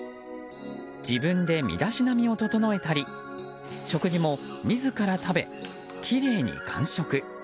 自分で身だしなみを整えたり食事も自ら食べ、きれいに完食。